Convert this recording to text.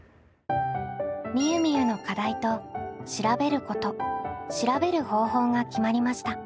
みゆみゆの課題と「調べること」「調べる方法」が決まりました。